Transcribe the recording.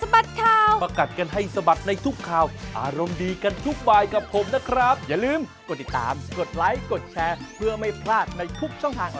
พบกันใหม่สวัสดีค่ะ